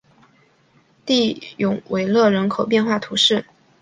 蒂永维勒人口变化图示